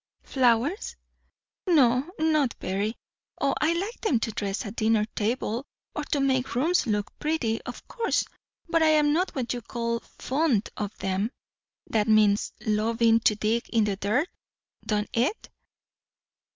"Flowers? No, not very. O, I like them to dress a dinner table, or to make rooms look pretty, of course; but I am not what you call 'fond' of them. That means, loving to dig in the dirt, don't it?"